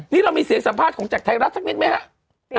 นี่เรามีเสียงสัมภาษณ์ของจากไทยรัฐสักนิดไหมครับ